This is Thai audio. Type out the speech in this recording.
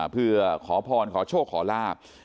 เพื่อขอพรขอโชคขอลาบ